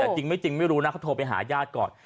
แต่จริงไม่รู้เราโทรไปหายาติก่อน